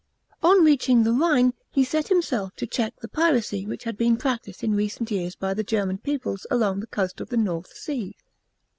On reaching the Rhine he set himself to check the piracy which had been practised in recent years by the German peoples along the coast of the North Sea.